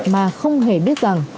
mà không hề biết rằng